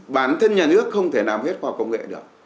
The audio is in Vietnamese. bản thân nhà nước không thể làm hết khoa học công nghệ được